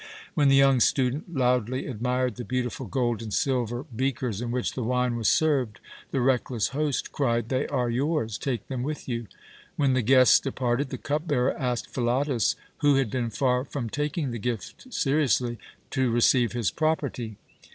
When the young student loudly admired the beautiful gold and silver beakers in which the wine was served, the reckless host cried: "They are yours; take them with you." When the guests departed the cup bearer asked Philotas, who had been far from taking the gift seriously, to receive his property.